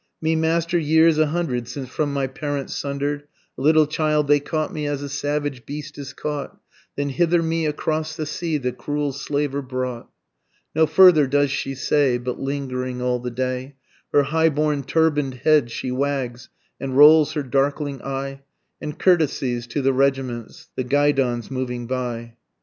_Me master years a hundred since from my parents sunder'd, A little child, they caught me as the savage beast is caught, Then hither me across the sea the cruel slaver brought._ No further does she say, but lingering all the day, Her high borne turban'd head she wags, and rolls her darkling eye, And courtesies to the regiments, the guidons moving by.